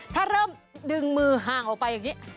ถ้าเริ่มดึงมือห่างออกไปอย่างนี้